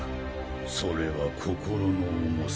それは心の重さ。